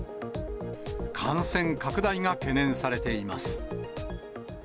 感染拡大が懸念されています。